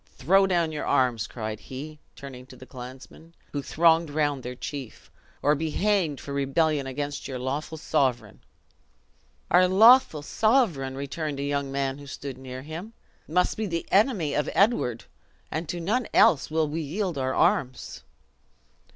Throw down your arms!" cried he, turning to the clansmen, who thronged round their chief; "or be hanged for rebellion against your lawful sovereign!" "Our lawful sovereign!" returned a young man who stood near him, "must be the enemy of Edward; and to none else will we yield our arms!"